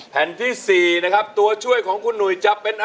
ซื้อมาไว้ในตัวยาประจำบาง